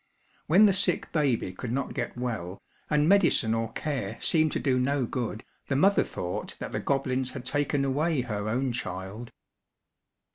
When the sick baby could not get well, and medicine or care seemed to do no good, the mother thought that the goblins had taken away her own child.